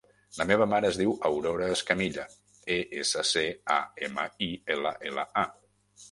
La meva mare es diu Aurora Escamilla: e, essa, ce, a, ema, i, ela, ela, a.